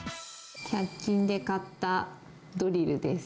百均で買ったドリルです。